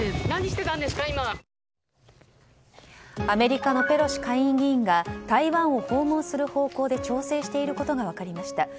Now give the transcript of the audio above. アメリカのペロシ下院議長が台湾を訪問する方向で調整していることが分かりました。